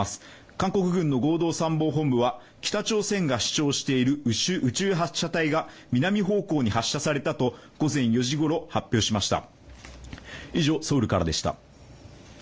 韓国軍の合同参謀本部は、北朝鮮が主張している宇宙発射体が南方向に発射されたと午前４時ごろ発表しました。